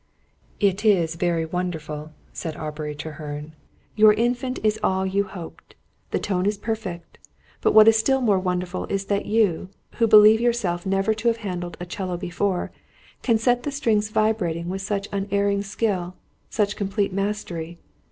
"It is very wonderful," said Aubrey Treherne. "Your Infant is all you hoped. The tone is perfect. But what is still more wonderful is that you who believe yourself never to have handled a 'cello before can set the strings vibrating with such unerring skill; such complete mastery.